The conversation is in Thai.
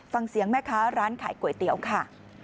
ฟังเสียงแม่ค้าร้านขายก๋วยเตี๋ยวค่ะ